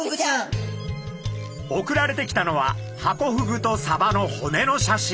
送られてきたのはハコフグとサバの骨の写真。